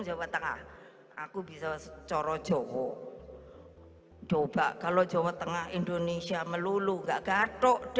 jawa tengah aku bisa coro joro hai doba kalau jawa tengah indonesia melulu gak gato dah